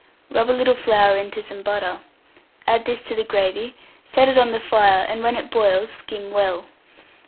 Rub a little flour into some butter; add this to the gravy, set it on the fire, and, when it boils, skim well.